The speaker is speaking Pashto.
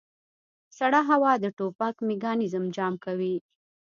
سړه هوا د ټوپک میکانیزم جام کوي